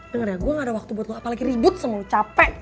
denger ya gue gaada waktu buat lo apalagi ribut sama lo capek